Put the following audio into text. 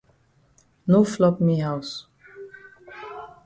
No flop me haus.